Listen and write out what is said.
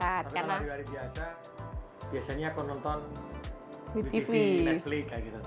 hari hari biasa biasanya aku nonton btv netflix gitu